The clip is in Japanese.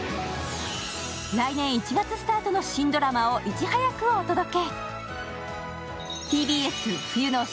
来年１月スタートの新ドラマをいち早くお届け。